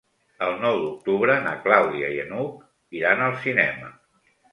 El nou d'octubre na Clàudia i n'Hug iran al cinema.